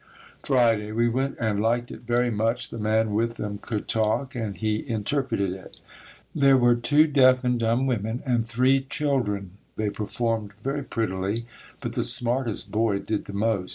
Friday. We went and liked it very much. The man with them could talk and he interpreted it. There were two deaf and dumb women and three children. They performed very prettily, but the smartest boy did the most.